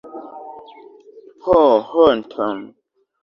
Ho honton!